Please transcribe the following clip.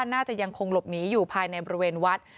น่าจะยังคงหลบหนีอยู่ภายในบริเวณวัด